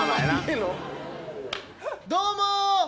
どうも！